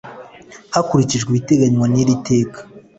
hakurikijwe ibiteganywa n iri teka